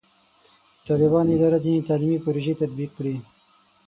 د طالبانو اداره ځینې تعلیمي پروژې تطبیق کړي.